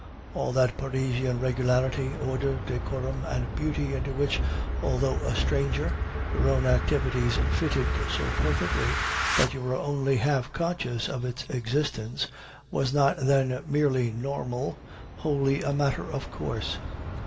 All that Parisian regularity, order, decorum, and beauty into which, although a stranger, your own activities fitted so perfectly that you were only half conscious of its existence, was not, then, merely normal, wholly a matter of course.